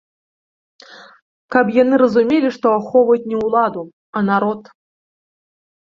Каб яны разумелі, што ахоўваюць не ўладу, а народ.